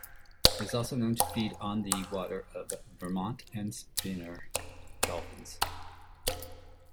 It is also known to feed on the waste and vomit of spinner dolphins.